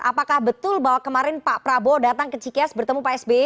apakah betul bahwa kemarin pak prabowo datang ke cikeas bertemu pak sby